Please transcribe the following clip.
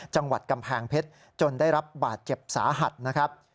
จังหวัดกำแพงเพชรจนได้รับบาดเจ็บสาหัสนะครับ